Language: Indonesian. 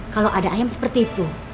kalau ada ayam seperti itu